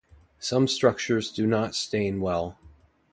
Some structures do not stain well.